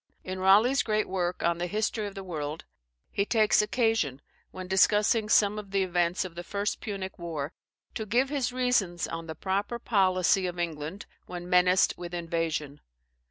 In Raleigh's great work on the "History of the World," he takes occasion, when discussing some of the events of the first Punic war, to give his reasonings on the proper policy of England when menaced with invasion.